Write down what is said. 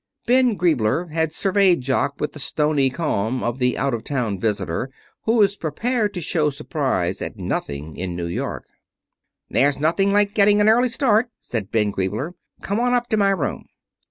Ben Griebler had surveyed Jock with the stony calm of the out of town visitor who is prepared to show surprise at nothing in New York. "There's nothing like getting an early start," said Ben Griebler. "Come on up to my room."